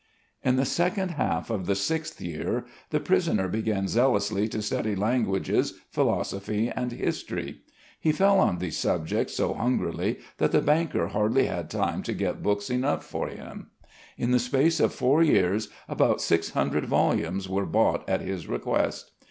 In the second half of the sixth year, the prisoner began zealously to study languages, philosophy, and history. He fell on these subjects so hungrily that the banker hardly had time to get books enough for him. In the space of four years about six hundred volumes were bought at his request.